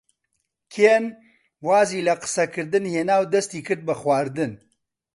کێن وازی لە قسەکردن هێنا و دەستی کرد بە خواردن.